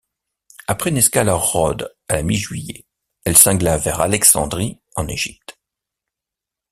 Après une escale à Rhodes, à la mi-juillet, elle cingla vers Alexandrie, en Égypte.